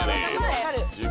分かる。